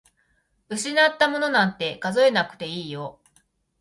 失ったものなんて数えなくていいよ。